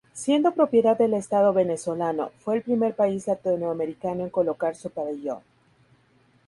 Siendo propiedad del Estado venezolano, fue el primer país latinoamericano en colocar su pabellón.